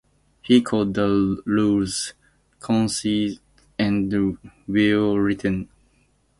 He called the rules "concise and well-written".